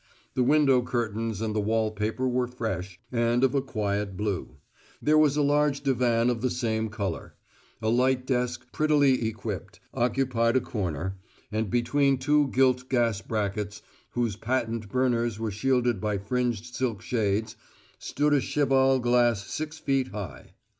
The window curtains and the wall paper were fresh, and of a quiet blue; there was a large divan of the same colour; a light desk, prettily equipped, occupied a corner; and between two gilt gas brackets, whose patent burners were shielded by fringed silk shades, stood a cheval glass six feet high.